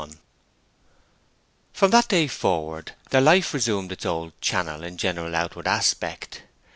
XXI From that day forward their life resumed its old channel in general outward aspect.